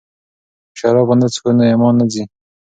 که شراب ونه څښو نو ایمان نه ځي.